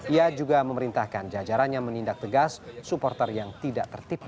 ia juga memerintahkan jajarannya menindak tegas supporter yang tidak tertipu